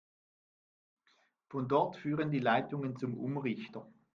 Von dort führen die Leitungen zum Umrichter.